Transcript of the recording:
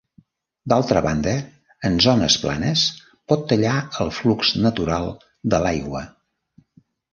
D'altra banda, en zones planes, pot tallar el flux natural de l'aigua.